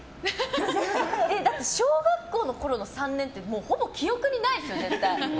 だって小学校のころの３年ってもうほぼ記憶にないですよ、絶対。